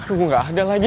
aduh nggak ada lagi